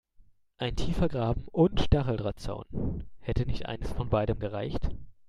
Ein tiefer Graben und Stacheldrahtzaun – hätte nicht eines von beidem gereicht?